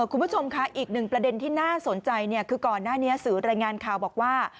คุณผู้ชมค่ะอีกหนึ่งประเด็นที่น่าสนใจคือก่อนหน้านี้สื่อรายงานข่าวบอกว่า